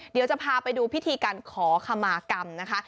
เดี๋ยวจะพาไปดูพิธีการขอขมากรรมนะคะ